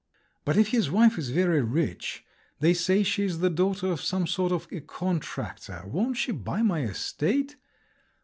"But if his wife is very rich, they say she's the daughter of some sort of a contractor, won't she buy my estate?